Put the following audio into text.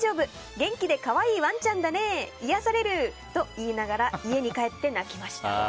元気で可愛いワンちゃんだね癒やされる！と言いながら家に帰って泣きました。